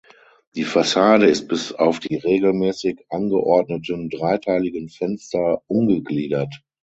Die Fassade ist bis auf die regelmäßig angeordneten dreiteiligen Fenster ungegliedert.